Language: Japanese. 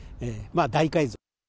大改造。